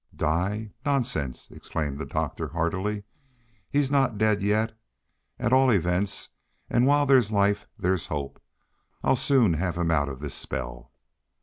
"Die? Nonsense!" exclaimed the doctor heartily. "He's not dead yet, at all events, and while there's life there's hope. I'll soon have him out of this spell."